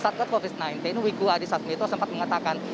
dekat covid sembilan belas wiku adi sasmito sempat mengatakan